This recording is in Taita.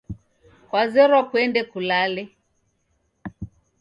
Kwazerwa kuende kulale.